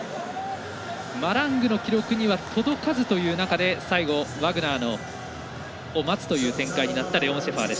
マラングの記録には届かずという中で最後、ワグナーを待つという展開となったレオン・シェファー。